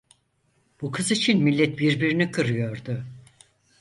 Bu kız için millet birbirini kırıyordu.